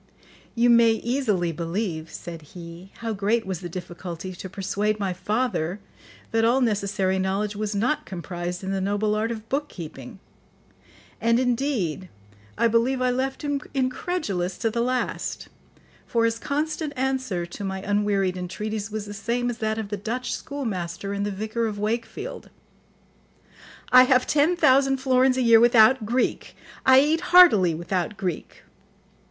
"You may easily believe," said he, "how great was the difficulty to persuade my father that all necessary knowledge was not comprised in the noble art of book keeping; and, indeed, I believe I left him incredulous to the last, for his constant answer to my unwearied entreaties was the same as that of the Dutch schoolmaster in The Vicar of Wakefield: 'I have ten thousand florins a year without Greek, I eat heartily without Greek.